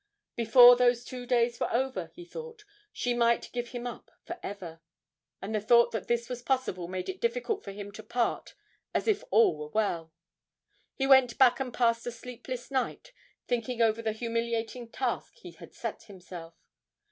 Before those two days were over, he thought, she might give him up for ever! and the thought that this was possible made it difficult for him to part as if all were well. He went back and passed a sleepless night, thinking over the humiliating task he had set himself.